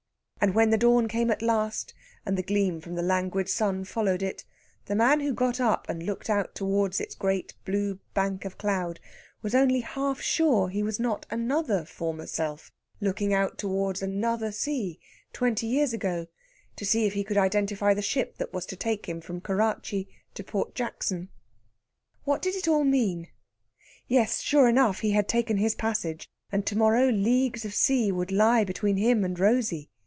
And when the dawn came at last, and the gleam from the languid sun followed it, the man who got up and looked out towards its great blue bank of cloud was only half sure he was not another former self, looking out towards another sea, twenty years ago, to see if he could identify the ship that was to take him from Kurachi to Port Jackson. What did it all mean? Yes, sure enough he had taken his passage, and to morrow leagues of sea would lie between him and Rosey.